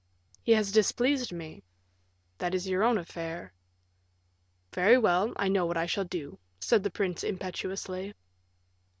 "He has displeased me." "That is your own affair." "Very well, I know what I shall do," said the prince, impetuously.